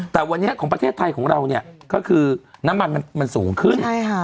แต่วันนี้ของประเทศไทยของเราเนี่ยก็คือน้ำมันมันสูงขึ้น